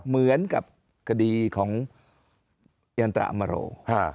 เหมือนกับคดีของยันตราอมโร